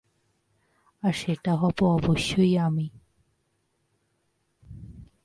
আর সেটা হব অবশ্যই আমি।